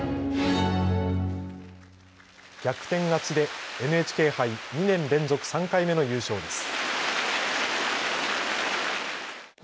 逆転勝ちでＮＨＫ杯２年連続３回目の優勝です。